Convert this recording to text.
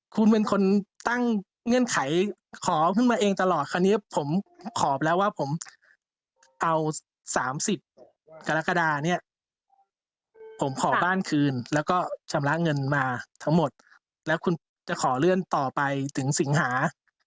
คุณเป็นคนตั้งเงื่อนไขขอขึ้นมาเองตลอดคราวนี้ผมขอไปแล้วว่าผมเอา๓๐กรกฎาเนี่ยผมขอบ้านคืนแล้วก็ชำระเงินมาทั้งหมดแล้วคุณป๊อปจะขอเลื่อนต่อไปถึงสิงหา